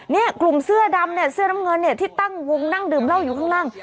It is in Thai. เนี่ยกลุ่มเสื้อดำเนี่ยเสื้อน้ำเงินเนี่ยที่ตั้งวงนั่งดื่มเหล้าอยู่ข้างล่าง